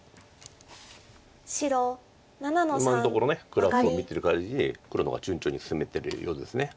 今のところグラフを見てるかぎり黒の方が順調に進めてるようです。